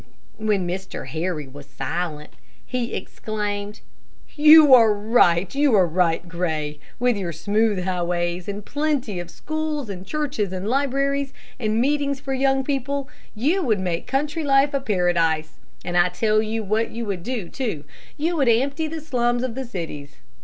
When Mr. Harry was silent, he exclaimed, "You are right, you are right, Gray. With your smooth highways, and plenty of schools, and churches, and libraries, and meetings for young people, you would make country life a paradise, and I tell you what you would do, too; you would empty the slums of the cities.